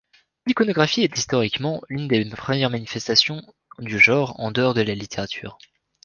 L'iconographie est historiquement une des premières manifestations du genre en dehors de la littérature.